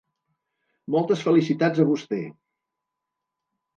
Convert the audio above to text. Moltes felicitats a vostè.